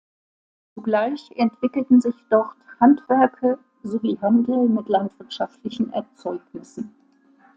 Zugleich entwickelten sich dort Handwerke sowie Handel mit landwirtschaftlichen Erzeugnissen.